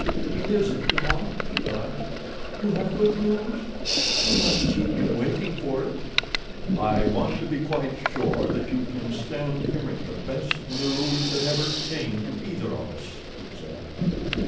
"What is it, John?" she cried. "You have good news—do not keep me waiting for it." "I want to be quite sure that you can stand hearing the best news that ever came to either of us," he said.